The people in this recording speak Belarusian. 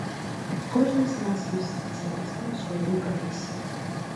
Кожны з нас ёсць спецыялістам у сваёй прафесіі.